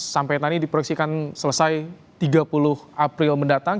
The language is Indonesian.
sampai tadi diproyeksikan selesai tiga puluh april mendatang